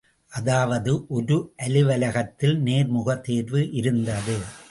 அதாவது, ஒரு அலுவலகத்தில் நேர்முக தேர்வு இருந்தது.